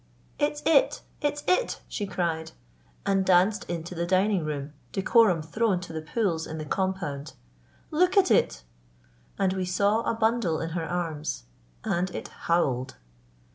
"It's it! it's it!" she cried, and danced into the dining room, decorum thrown to the pools in the compound. "Look at it!" and we saw a bundle in her arms. And it howled.